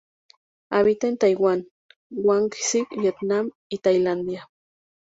Habita en Taiwán, Guangxi, Vietnam y Tailandia.